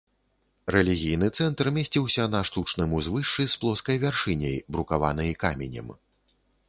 Рэлігійны цэнтр месціўся на штучным узвышшы з плоскай вяршыняй, брукаванай каменем.